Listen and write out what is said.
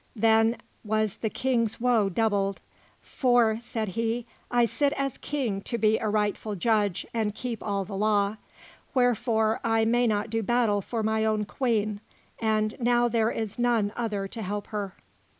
Then was the King's woe doubled; "For," said he, "I sit as King to be a rightful judge and keep all the law; wherefore I may not do battle for my own Queen, and now there is none other to help her."